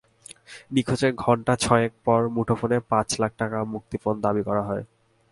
নিখোঁজের ঘণ্টা ছয়েক পর মুঠোফোনে পাঁচ লাখ টাকা মুক্তিপণ দাবি করা হয়।